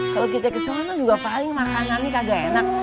kalau kita ke sana juga paling makanan ini tidak enak